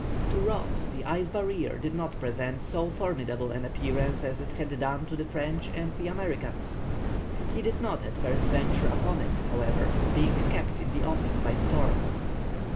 To Ross the ice barrier did not present so formidable an appearance as it had done to the French and Americans. He did not at first venture upon it, however, being kept in the offing by storms.